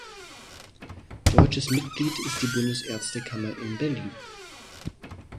Deutsches Mitglied ist die Bundesärztekammer in Berlin.